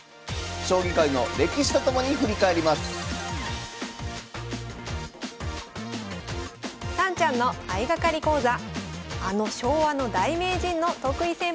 将棋界の歴史と共に振り返りますさんちゃんの相掛かり講座あの昭和の大名人の得意戦法をご紹介します